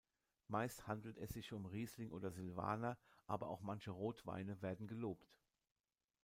Meist handelt es sich um Riesling oder Silvaner, aber auch manche Rotweine werden gelobt.